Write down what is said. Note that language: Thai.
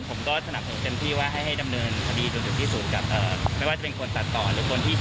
ผมก็สนับหัวเต็มที่ว่าให้ดำเนินคดีดูถึงที่สุด